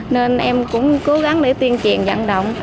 nên em cũng cố gắng để tiên triền dặn động